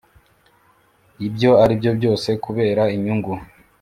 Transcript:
Ibyo aribyo byose kubera inyungu